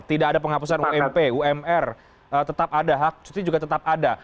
tidak ada penghapusan ump umr tetap ada hak cuti juga tetap ada